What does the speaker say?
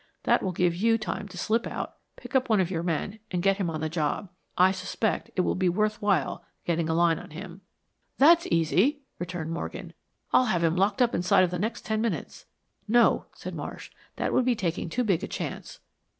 That will give you time to slip out, pick up one of your men, and get him on the job. I suspect it will be worth while getting a line on him." "That's easy," returned Morgan. "I'll have him locked up inside of the next ten minutes." "No," said Marsh, "that would be taking too big a chance." "On.